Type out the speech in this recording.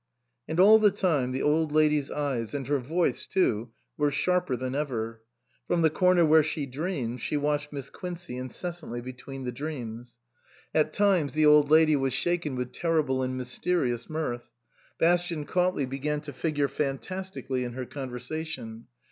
And all the time the Old Lady's eyes, and her voice too, were sharper than ever ; from the corner where she dreamed she watched Miss Quincey incessantly between the dreams. At 280 A PAINFUL MISUNDERSTANDING times the Old Lady was shaken with terrible and mysterious mirth. Bastian Cautley began to figure fantastically in her conversation.